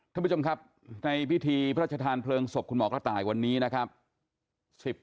ท่านผู้ชมครับในพิธีพระราชทานเพลิงศพคุณหมอกระต่ายวันนี้นะครับ